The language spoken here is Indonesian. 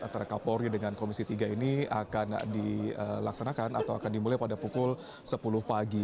antara kapolri dengan komisi tiga ini akan dilaksanakan atau akan dimulai pada pukul sepuluh pagi